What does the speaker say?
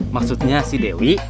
maksudnya si dewi